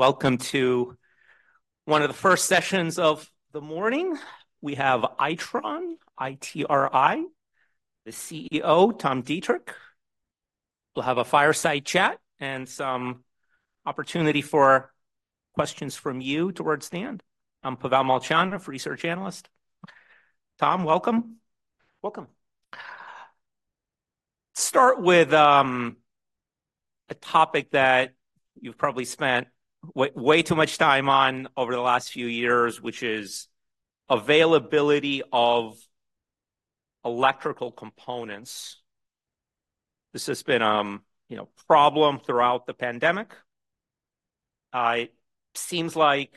Welcome to one of the first sessions of the morning. We have Itron, I-T-R-I, the CEO, Tom Deitrich. We'll have a fireside chat and some opportunity for questions from you towards the end. I'm Pavel Molchanov, research analyst. Tom, welcome. Welcome. Let's start with a topic that you've probably spent way too much time on over the last few years, which is availability of electrical components. This has been a problem throughout the pandemic. It seems like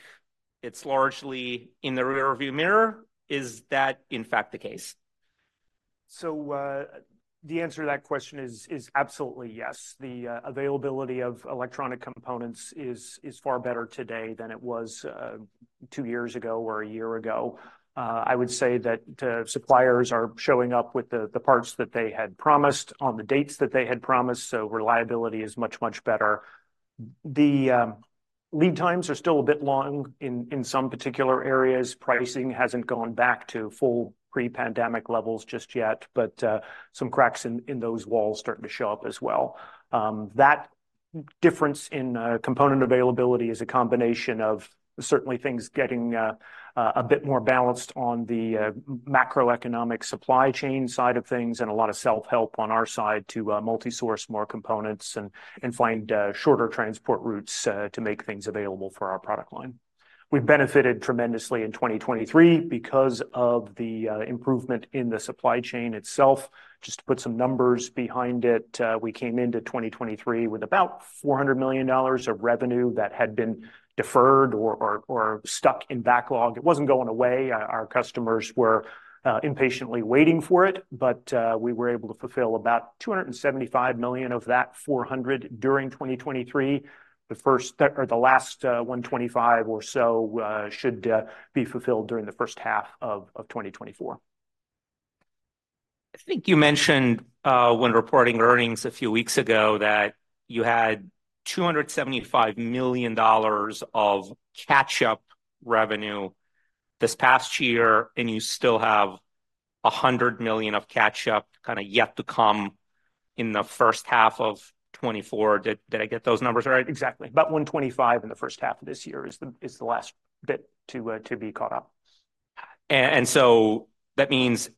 it's largely in the rearview mirror. Is that in fact the case? The answer to that question is absolutely yes. The availability of electronic components is far better today than it was two years ago or a year ago. I would say that suppliers are showing up with the parts that they had promised on the dates that they had promised. Reliability is much, much better. The lead times are still a bit long in some particular areas. Pricing hasn't gone back to full pre-pandemic levels just yet, but some cracks in those walls starting to show up as well. That difference in component availability is a combination of certainly things getting a bit more balanced on the macroeconomic supply chain side of things and a lot of self-help on our side to multisource more components and find shorter transport routes to make things available for our product line. We've benefited tremendously in 2023 because of the improvement in the supply chain itself. Just to put some numbers behind it, we came into 2023 with about $400 million of revenue that had been deferred or stuck in backlog. It wasn't going away. Our customers were impatiently waiting for it, but we were able to fulfill about $275 million of that $400 during 2023. The last $125 or so should be fulfilled during the first half of 2024. I think you mentioned when reporting earnings a few weeks ago that you had $275 million of catch-up revenue this past year, and you still have $100 million of catch-up kind of yet to come in the first half of 2024. Did I get those numbers right? Exactly. About $125 in the first half of this year is the last bit to be caught up. That means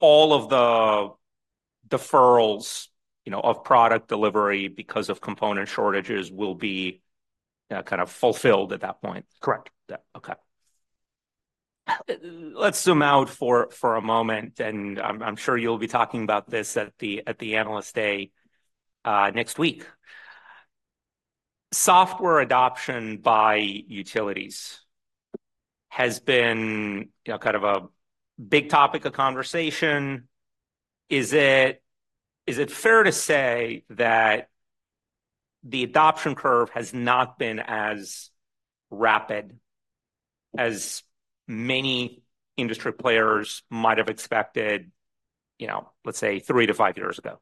all of the deferrals of product delivery because of component shortages will be kind of fulfilled at that point. Correct. Okay. Let's zoom out for a moment, and I'm sure you'll be talking about this at the Analyst Day next week. Software adoption by utilities has been kind of a big topic of conversation. Is it fair to say that the adoption curve has not been as rapid as many industry players might have expected, let's say, 3-5 years ago?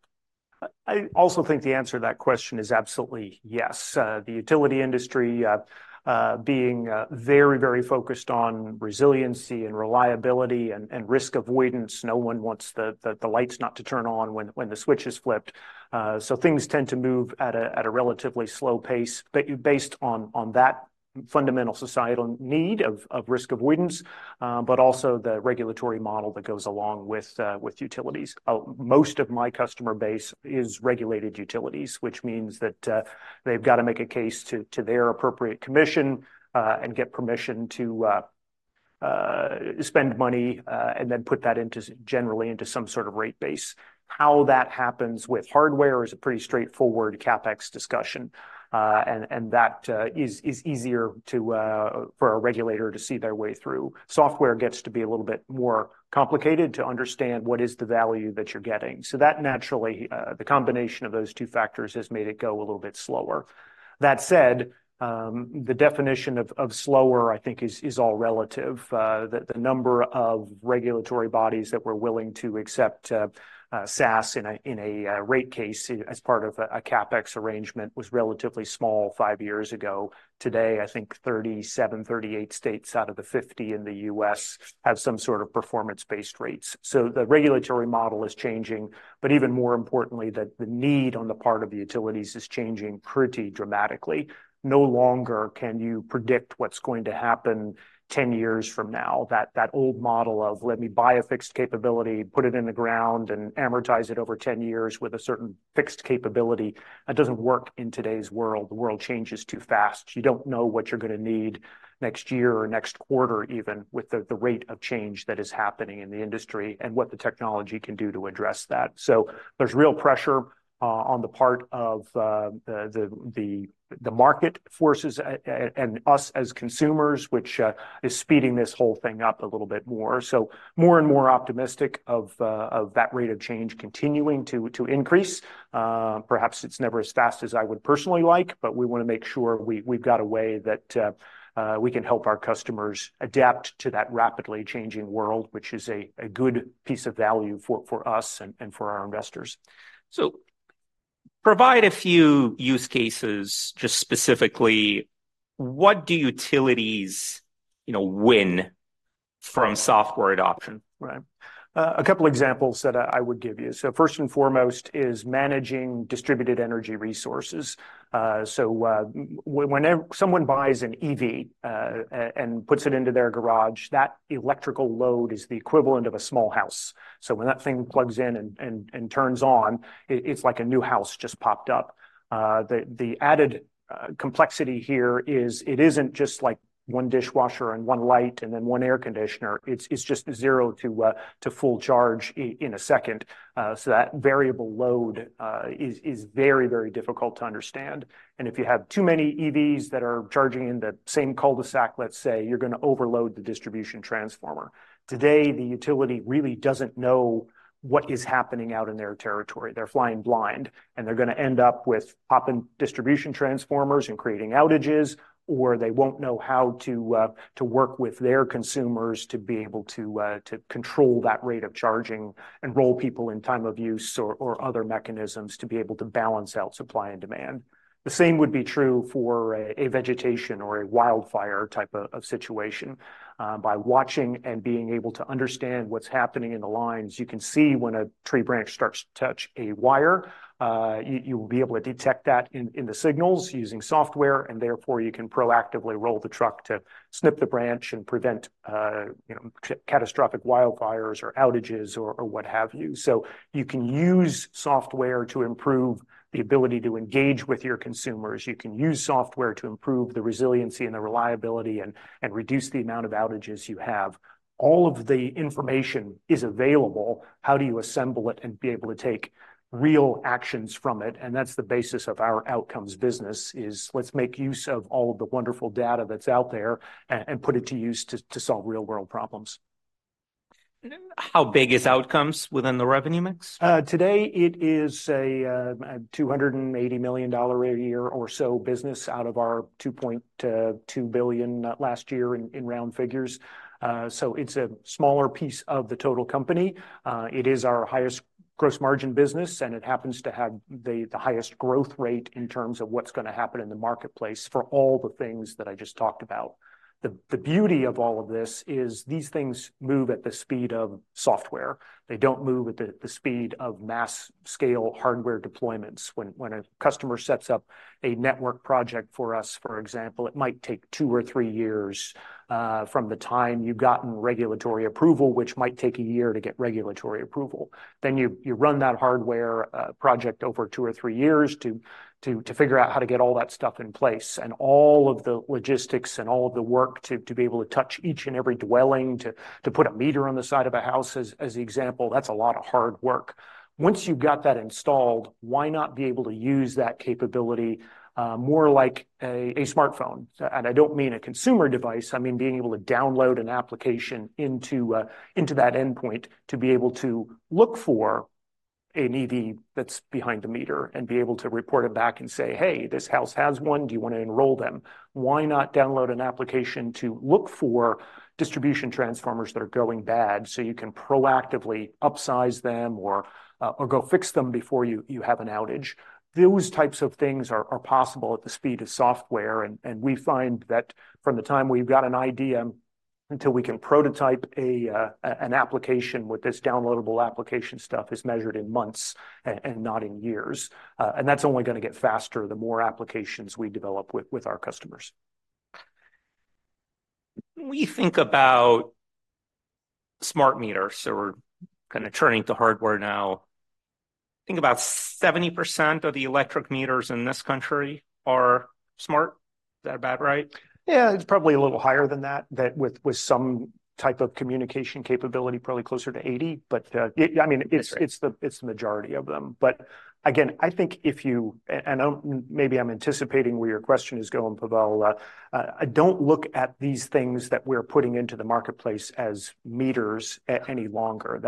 I also think the answer to that question is absolutely yes. The utility industry being very, very focused on resiliency and reliability and risk avoidance. No one wants the lights not to turn on when the switch is flipped. So things tend to move at a relatively slow pace based on that fundamental societal need of risk avoidance, but also the regulatory model that goes along with utilities. Most of my customer base is regulated utilities, which means that they've got to make a case to their appropriate commission and get permission to spend money and then put that generally into some sort of rate base. How that happens with hardware is a pretty straightforward CapEx discussion, and that is easier for a regulator to see their way through. Software gets to be a little bit more complicated to understand what is the value that you're getting. So naturally, the combination of those two factors has made it go a little bit slower. That said, the definition of slower, I think, is all relative. The number of regulatory bodies that were willing to accept SaaS in a rate case as part of a CapEx arrangement was relatively small five years ago. Today, I think 37, 38 states out of the 50 in the U.S. have some sort of performance-based rates. So the regulatory model is changing. But even more importantly, the need on the part of the utilities is changing pretty dramatically. No longer can you predict what's going to happen 10 years from now. That old model of let me buy a fixed capability, put it in the ground, and amortize it over 10 years with a certain fixed capability, that doesn't work in today's world. The world changes too fast. You don't know what you're going to need next year or next quarter even with the rate of change that is happening in the industry and what the technology can do to address that. So there's real pressure on the part of the market forces and us as consumers, which is speeding this whole thing up a little bit more. So more and more optimistic of that rate of change continuing to increase. Perhaps it's never as fast as I would personally like, but we want to make sure we've got a way that we can help our customers adapt to that rapidly changing world, which is a good piece of value for us and for our investors. Provide a few use cases just specifically. What do utilities win from software adoption? Right. A couple of examples that I would give you. So first and foremost is managing distributed energy resources. So when someone buys an EV and puts it into their garage, that electrical load is the equivalent of a small house. So when that thing plugs in and turns on, it's like a new house just popped up. The added complexity here is it isn't just like one dishwasher and one light and then one air conditioner. It's just 0 to full charge in a second. So that variable load is very, very difficult to understand. And if you have too many EVs that are charging in the same cul-de-sac, let's say, you're going to overload the distribution transformer. Today, the utility really doesn't know what is happening out in their territory. They're flying blind, and they're going to end up with popping distribution transformers and creating outages, or they won't know how to work with their consumers to be able to control that rate of charging and roll people in time of use or other mechanisms to be able to balance out supply and demand. The same would be true for a vegetation or a wildfire type of situation. By watching and being able to understand what's happening in the lines, you can see when a tree branch starts to touch a wire. You will be able to detect that in the signals using software, and therefore you can proactively roll the truck to snip the branch and prevent catastrophic wildfires or outages or what have you. So you can use software to improve the ability to engage with your consumers. You can use software to improve the resiliency and the reliability and reduce the amount of outages you have. All of the information is available. How do you assemble it and be able to take real actions from it? And that's the basis of our Outcomes business is let's make use of all of the wonderful data that's out there and put it to use to solve real-world problems. How big is Outcomes within the revenue mix? Today, it is a $280 million a year or so business out of our $2.2 billion last year in round figures. So it's a smaller piece of the total company. It is our highest gross margin business, and it happens to have the highest growth rate in terms of what's going to happen in the marketplace for all the things that I just talked about. The beauty of all of this is these things move at the speed of software. They don't move at the speed of mass-scale hardware deployments. When a customer sets up a network project for us, for example, it might take two or three years from the time you've gotten regulatory approval, which might take a year to get regulatory approval. Then you run that hardware project over two or three years to figure out how to get all that stuff in place. All of the logistics and all of the work to be able to touch each and every dwelling, to put a meter on the side of a house as an example, that's a lot of hard work. Once you've got that installed, why not be able to use that capability more like a smartphone? I don't mean a consumer device. I mean being able to download an application into that endpoint to be able to look for an EV that's behind the meter and be able to report it back and say, "Hey, this house has one. Do you want to enroll them?" Why not download an application to look for distribution transformers that are going bad so you can proactively upsize them or go fix them before you have an outage? Those types of things are possible at the speed of software. We find that from the time we've got an idea until we can prototype an application with this downloadable application stuff is measured in months and not in years. That's only going to get faster the more applications we develop with our customers. When we think about smart meters, so we're kind of turning to hardware now, I think about 70% of the electric meters in this country are smart. Is that about right? Yeah, it's probably a little higher than that with some type of communication capability, probably closer to 80. But I mean, it's the majority of them. But again, I think if you and maybe I'm anticipating where your question is going, Pavel, I don't look at these things that we're putting into the marketplace as meters any longer.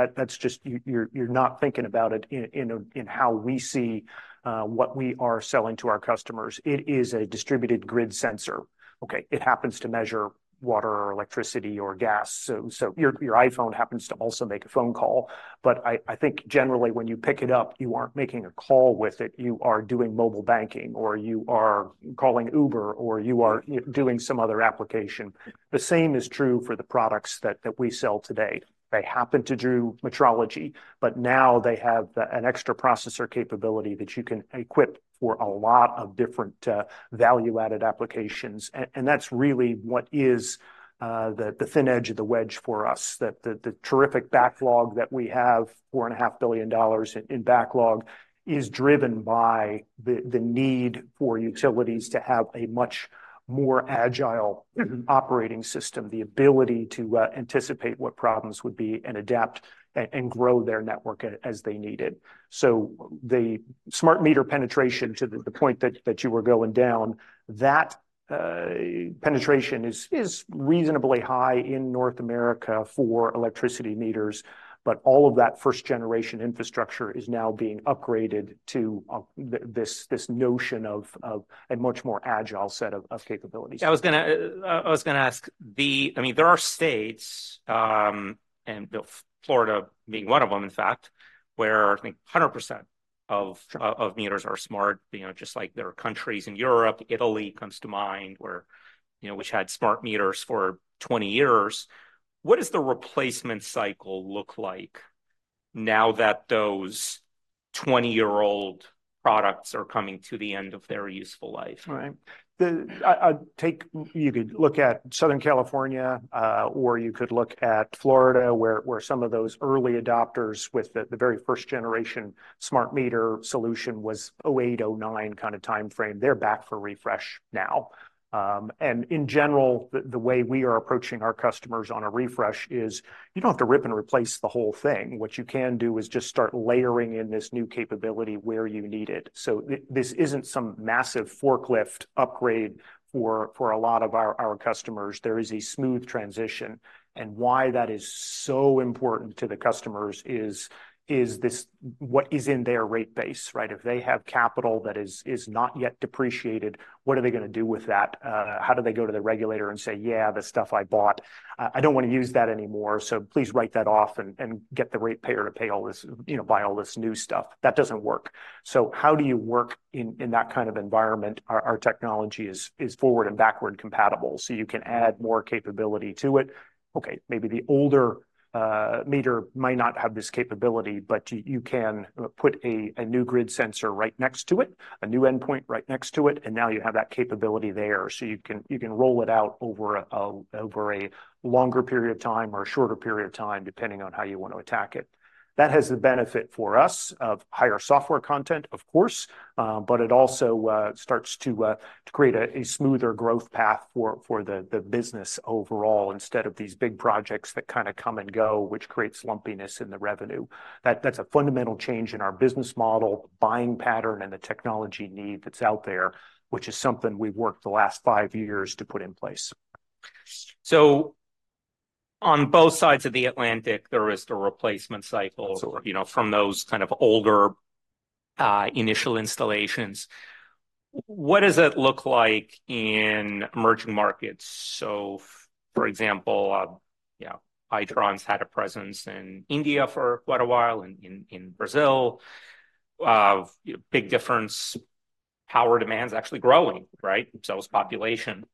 You're not thinking about it in how we see what we are selling to our customers. It is a distributed grid sensor. Okay, it happens to measure water or electricity or gas. So your iPhone happens to also make a phone call. But I think generally when you pick it up, you aren't making a call with it. You are doing mobile banking or you are calling Uber or you are doing some other application. The same is true for the products that we sell today. They happen to do metrology, but now they have an extra processor capability that you can equip for a lot of different value-added applications. That's really what is the thin edge of the wedge for us. The terrific backlog that we have, $4.5 billion in backlog, is driven by the need for utilities to have a much more agile operating system, the ability to anticipate what problems would be and adapt and grow their network as they need it. The smart meter penetration to the point that you were going down, that penetration is reasonably high in North America for electricity meters. But all of that first-generation infrastructure is now being upgraded to this notion of a much more agile set of capabilities. I was going to ask, I mean, there are states, and Florida being one of them, in fact, where I think 100% of meters are smart, just like there are countries in Europe, Italy comes to mind, which had smart meters for 20 years. What does the replacement cycle look like now that those 20-year-old products are coming to the end of their useful life? Right. You could look at Southern California or you could look at Florida where some of those early adopters with the very first-generation smart meter solution was 2008, 2009 kind of timeframe. They're back for refresh now. In general, the way we are approaching our customers on a refresh is you don't have to rip and replace the whole thing. What you can do is just start layering in this new capability where you need it. This isn't some massive forklift upgrade for a lot of our customers. There is a smooth transition. And why that is so important to the customers is what is in their rate base, right? If they have capital that is not yet depreciated, what are they going to do with that? How do they go to the regulator and say, "Yeah, the stuff I bought, I don't want to use that anymore. So please write that off and get the ratepayer to pay all this, buy all this new stuff." That doesn't work. So how do you work in that kind of environment? Our technology is forward and backward compatible so you can add more capability to it. Okay, maybe the older meter might not have this capability, but you can put a new grid sensor right next to it, a new endpoint right next to it, and now you have that capability there. So you can roll it out over a longer period of time or a shorter period of time, depending on how you want to attack it. That has the benefit for us of higher software content, of course, but it also starts to create a smoother growth path for the business overall instead of these big projects that kind of come and go, which creates lumpiness in the revenue. That's a fundamental change in our business model, buying pattern, and the technology need that's out there, which is something we've worked the last five years to put in place. So on both sides of the Atlantic, there is the replacement cycle from those kind of older initial installations. What does it look like in emerging markets? So for example, Itron's had a presence in India for quite a while and in Brazil. Big difference. Power demand's actually growing, right? So is population.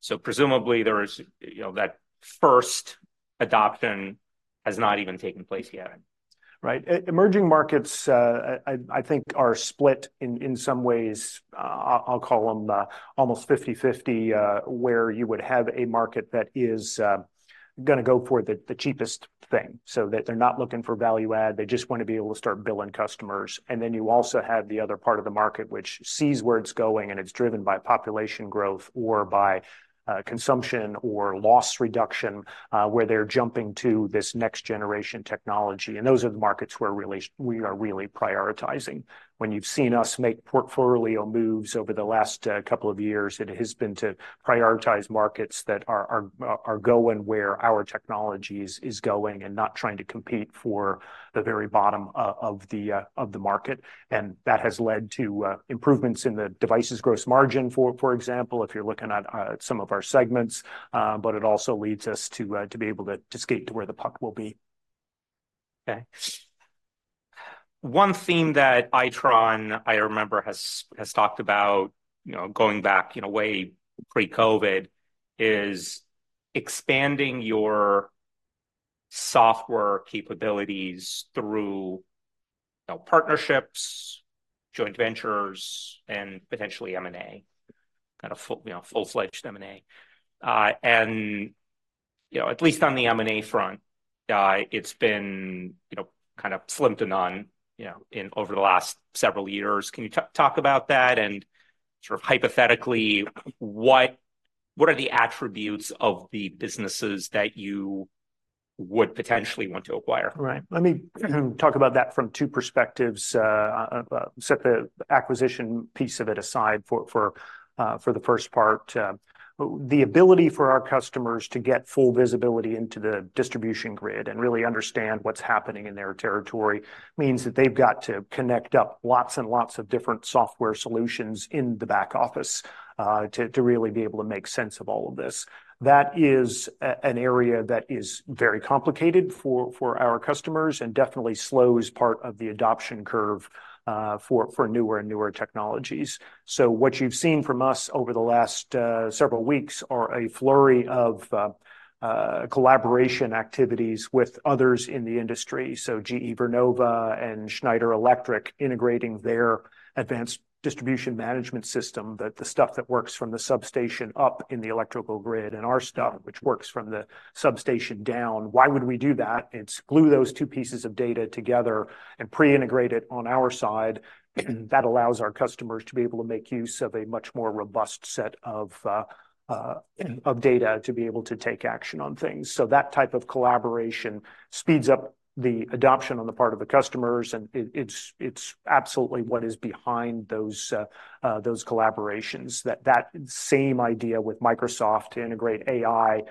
So presumably that first adoption has not even taken place yet. Right. Emerging markets, I think, are split in some ways. I'll call them almost 50/50 where you would have a market that is going to go for the cheapest thing so that they're not looking for value add. They just want to be able to start billing customers. And then you also have the other part of the market, which sees where it's going and it's driven by population growth or by consumption or loss reduction where they're jumping to this next-generation technology. And those are the markets where we are really prioritizing. When you've seen us make portfolio moves over the last couple of years, it has been to prioritize markets that are going where our technology is going and not trying to compete for the very bottom of the market. That has led to improvements in the devices' gross margin, for example, if you're looking at some of our segments. It also leads us to be able to skate to where the puck will be. Okay. One theme that Itron, I remember, has talked about going back way pre-COVID is expanding your software capabilities through partnerships, joint ventures, and potentially M&A, kind of full-fledged M&A. At least on the M&A front, it's been kind of slim to none over the last several years. Can you talk about that and sort of hypothetically, what are the attributes of the businesses that you would potentially want to acquire? Right. Let me talk about that from two perspectives. Set the acquisition piece of it aside for the first part. The ability for our customers to get full visibility into the distribution grid and really understand what's happening in their territory means that they've got to connect up lots and lots of different software solutions in the back office to really be able to make sense of all of this. That is an area that is very complicated for our customers and definitely slows part of the adoption curve for newer and newer technologies. So what you've seen from us over the last several weeks are a flurry of collaboration activities with others in the industry. So GE Vernova and Schneider Electric integrating their advanced distribution management system, the stuff that works from the substation up in the electrical grid and our stuff, which works from the substation down. Why would we do that? It's glue those two pieces of data together and pre-integrate it on our side. That allows our customers to be able to make use of a much more robust set of data to be able to take action on things. So that type of collaboration speeds up the adoption on the part of the customers, and it's absolutely what is behind those collaborations. That same idea with Microsoft to integrate AI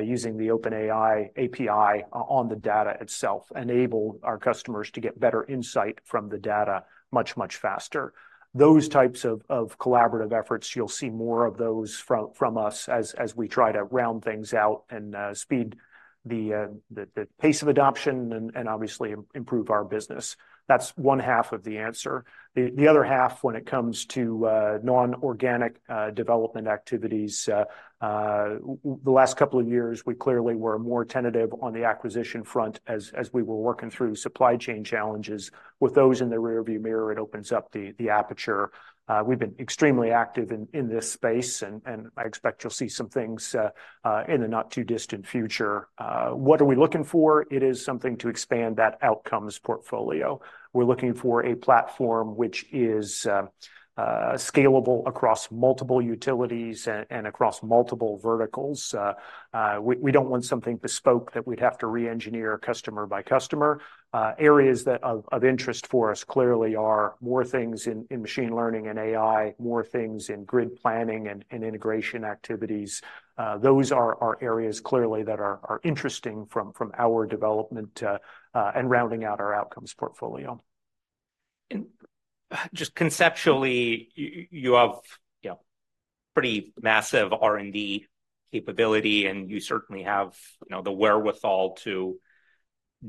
using the OpenAI API on the data itself, enable our customers to get better insight from the data much, much faster. Those types of collaborative efforts, you'll see more of those from us as we try to round things out and speed the pace of adoption and obviously improve our business. That's one half of the answer. The other half, when it comes to non-organic development activities, the last couple of years, we clearly were more tentative on the acquisition front as we were working through supply chain challenges. With those in the rearview mirror, it opens up the aperture. We've been extremely active in this space, and I expect you'll see some things in the not-too-distant future. What are we looking for? It is something to expand that Outcomes portfolio. We're looking for a platform which is scalable across multiple utilities and across multiple verticals. We don't want something bespoke that we'd have to re-engineer customer by customer. Areas of interest for us clearly are more things in machine learning and AI, more things in grid planning and integration activities. Those are areas clearly that are interesting from our development and rounding out our Outcomes portfolio. Just conceptually, you have pretty massive R&D capability, and you certainly have the wherewithal to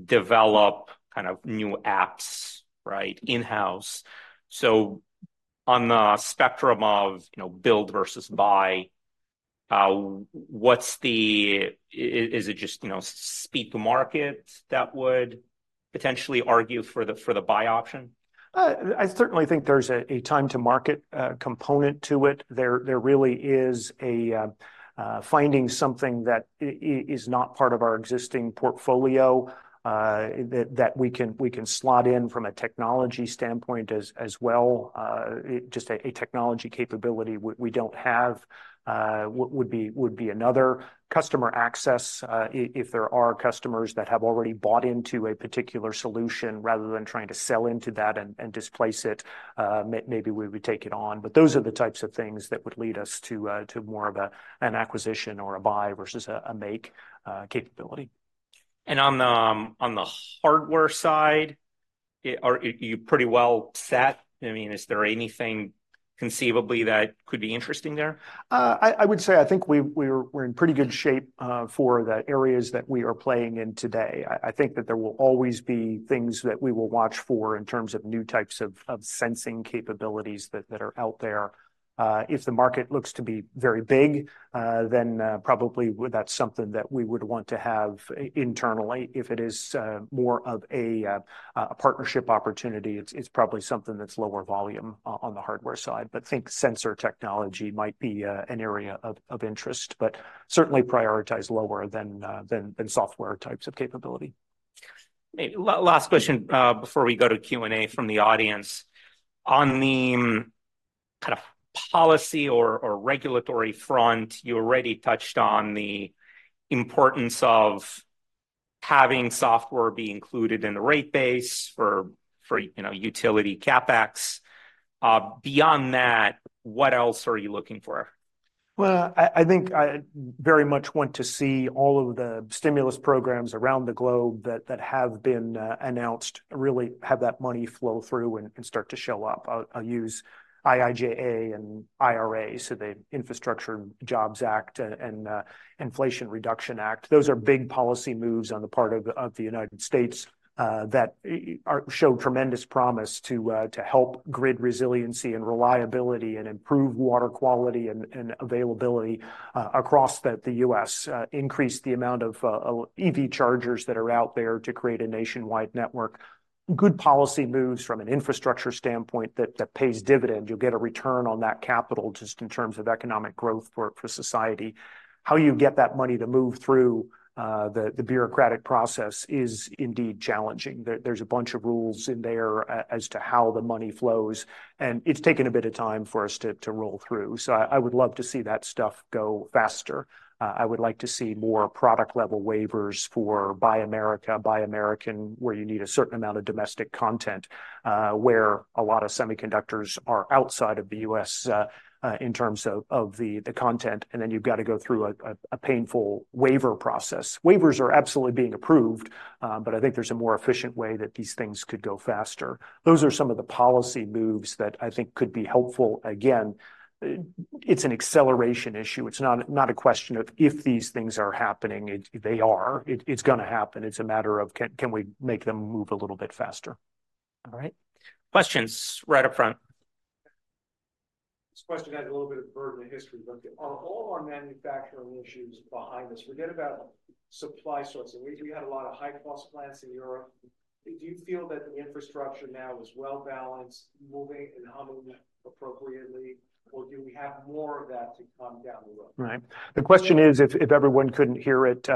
develop kind of new apps in-house. On the spectrum of build versus buy, is it just speed to market that would potentially argue for the buy option? I certainly think there's a time-to-market component to it. There really is a finding something that is not part of our existing portfolio that we can slot in from a technology standpoint as well. Just a technology capability we don't have would be another. Customer access, if there are customers that have already bought into a particular solution rather than trying to sell into that and displace it, maybe we would take it on. But those are the types of things that would lead us to more of an acquisition or a buy versus a make capability. On the hardware side, are you pretty well set? I mean, is there anything conceivably that could be interesting there? I would say I think we're in pretty good shape for the areas that we are playing in today. I think that there will always be things that we will watch for in terms of new types of sensing capabilities that are out there. If the market looks to be very big, then probably that's something that we would want to have internally. If it is more of a partnership opportunity, it's probably something that's lower volume on the hardware side. But think sensor technology might be an area of interest, but certainly prioritize lower than software types of capability. Last question before we go to Q&A from the audience. On the kind of policy or regulatory front, you already touched on the importance of having software be included in the rate base for utility CapEx. Beyond that, what else are you looking for? Well, I think I very much want to see all of the stimulus programs around the globe that have been announced really have that money flow through and start to show up. I'll use IIJA and IRA, so the Infrastructure Investment and Jobs Act and Inflation Reduction Act. Those are big policy moves on the part of the United States that show tremendous promise to help grid resiliency and reliability and improve water quality and availability across the U.S., increase the amount of EV chargers that are out there to create a nationwide network. Good policy moves from an infrastructure standpoint that pays dividend. You'll get a return on that capital just in terms of economic growth for society. How you get that money to move through the bureaucratic process is indeed challenging. There's a bunch of rules in there as to how the money flows. It's taken a bit of time for us to roll through. I would love to see that stuff go faster. I would like to see more product-level waivers for Buy America / Buy American, where you need a certain amount of domestic content, where a lot of semiconductors are outside of the U.S. in terms of the content. Then you've got to go through a painful waiver process. Waivers are absolutely being approved, but I think there's a more efficient way that these things could go faster. Those are some of the policy moves that I think could be helpful. Again, it's an acceleration issue. It's not a question of if these things are happening. They are. It's going to happen. It's a matter of can we make them move a little bit faster? All right. Questions right up front. This question has a little bit of a burden of history, but are all our manufacturing issues behind us? Forget about supply sources. We had a lot of high-cost plants in Europe. Do you feel that the infrastructure now is well balanced, moving and humming appropriately, or do we have more of that to come down the road? Right. The question is, if everyone couldn't hear it,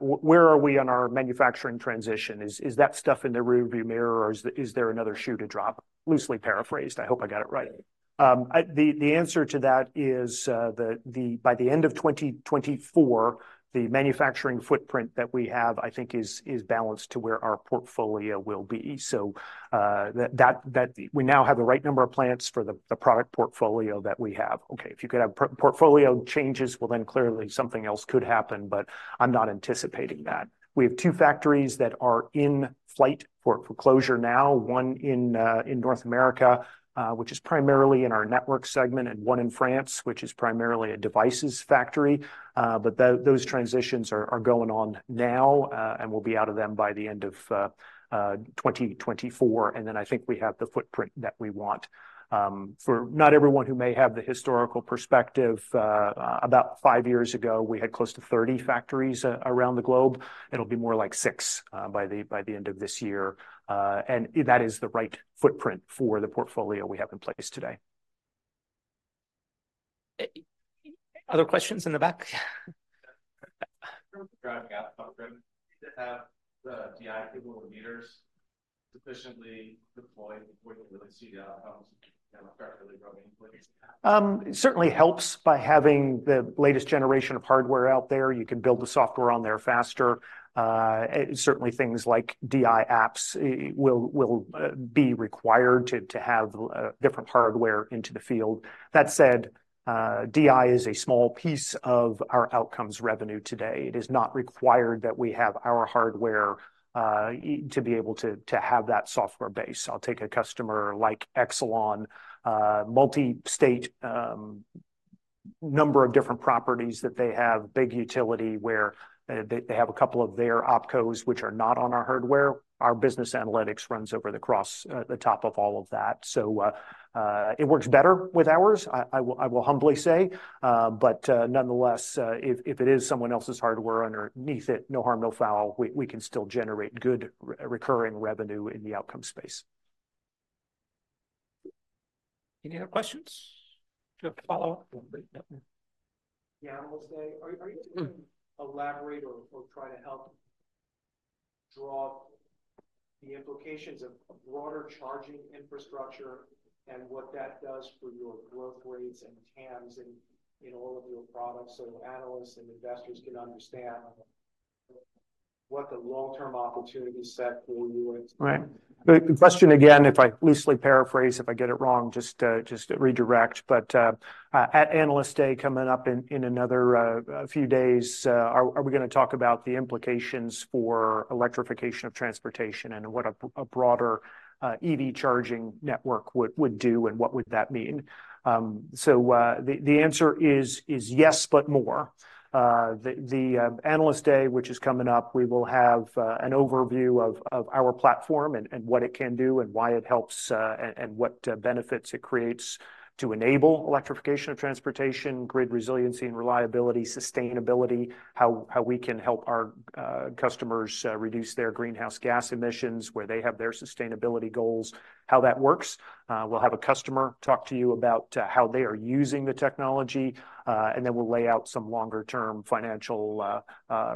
where are we on our manufacturing transition? Is that stuff in the rearview mirror or is there another shoe to drop? Loosely paraphrased. I hope I got it right. The answer to that is that by the end of 2024, the manufacturing footprint that we have, I think, is balanced to where our portfolio will be. So we now have the right number of plants for the product portfolio that we have. Okay, if you could have portfolio changes, well, then clearly something else could happen, but I'm not anticipating that. We have two factories that are in flight for closure now, one in North America, which is primarily in our network segment, and one in France, which is primarily a devices factory. But those transitions are going on now and we'll be out of them by the end of 2024. And then I think we have the footprint that we want. For, not everyone who may have the historical perspective, about 5 years ago, we had close to 30 factories around the globe. It'll be more like 6 by the end of this year. And that is the right footprint for the portfolio we have in place today. Other questions in the back? Driving out the dumb grid, do you need to have the DI-capable meters sufficiently deployed before you can really see the Outcomes? Certainly helps by having the latest generation of hardware out there. You can build the software on there faster. Certainly, things like DI apps will be required to have different hardware into the field. That said, DI is a small piece of our Outcomes revenue today. It is not required that we have our hardware to be able to have that software base. I'll take a customer like Exelon, multi-state number of different properties that they have, big utility where they have a couple of their OpCos, which are not on our hardware. Our business analytics runs over the top of all of that. So it works better with ours, I will humbly say. But nonetheless, if it is someone else's hardware underneath it, no harm, no foul, we can still generate good recurring revenue in the Outcomes space. Any other questions? Just a follow-up. Yeah, I'm going to say, are you able to elaborate or try to help draw the implications of broader charging infrastructure and what that does for your growth rates and TAMs in all of your products so analysts and investors can understand what the long-term opportunity set for you? Right. Question again, if I loosely paraphrase, if I get it wrong, just redirect. But at Analyst Day coming up in another few days, are we going to talk about the implications for electrification of transportation and what a broader EV charging network would do and what would that mean? So the answer is yes, but more. The Analyst Day, which is coming up, we will have an overview of our platform and what it can do and why it helps and what benefits it creates to enable electrification of transportation, grid resiliency and reliability, sustainability, how we can help our customers reduce their greenhouse gas emissions where they have their sustainability goals, how that works. We'll have a customer talk to you about how they are using the technology, and then we'll lay out some longer-term financial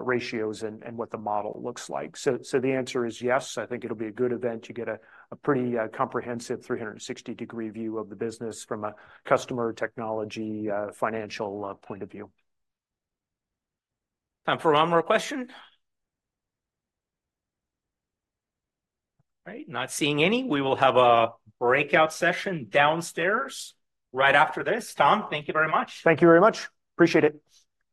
ratios and what the model looks like. So the answer is, Yes. I think it'll be a good event. You get a pretty comprehensive 360-degree view of the business from a customer technology financial point of view. Time for one more question. All right. Not seeing any. We will have a breakout session downstairs right after this. Tom, thank you very much. Thank you very much. Appreciate it.